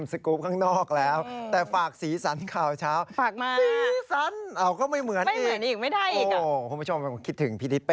แถมยังดื้อตาใสดำลงไปสมิดตัว